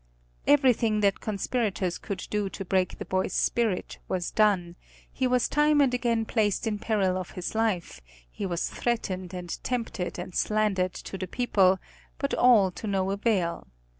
Everything that conspirators could do to break the boy's spirit was done; he was time and again placed in peril of his life; he was threatened and tempted and slandered to the people, but all to no avail.